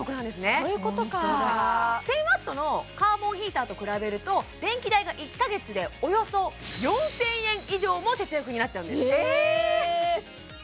そういうことか本当だ１０００Ｗのカーボンヒーターと比べると電気代が１か月でおよそ４０００円以上も節約になっちゃうんですええ